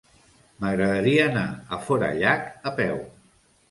M'agradaria anar a Forallac a peu.